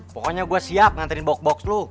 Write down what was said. pokoknya gue siap nganterin box box lu